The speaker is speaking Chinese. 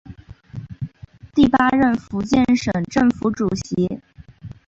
第八任福建省政府主席。